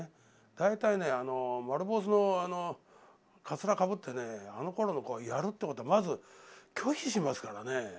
大体ねあの丸坊主のカツラかぶってねあのころの子がやるっていうことはまず拒否しますからね。